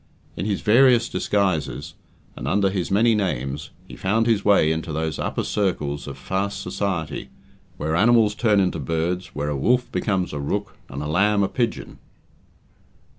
In his various disguises, and under his many names, he found his way into those upper circles of "fast" society, where animals turn into birds, where a wolf becomes a rook, and a lamb a pigeon.